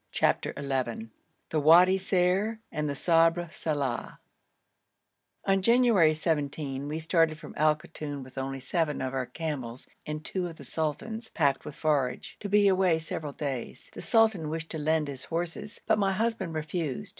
'] CHAPTER XI THE WADI SER AND KABR SALEH On January 17 we started from Al Koton with only seven of our camels and two of the sultan's packed with forage, to be away several days. The sultan wished to lend his horses, but my husband refused.